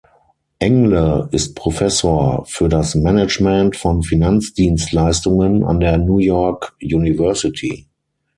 Engle ist Professor für das Management von Finanzdienstleistungen an der New York University.